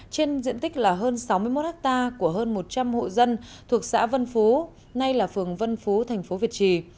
trên diện tích là hơn sáu mươi một ha của hơn một trăm linh hộ dân thuộc xã vân phú nay là phường vân phú tp việt trì